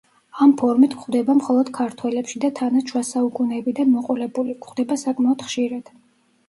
ამ ფორმით გვხვდება მხოლოდ ქართველებში და თანაც, შუა საუკუნეებიდან მოყოლებული, გვხვდება საკმაოდ ხშირად.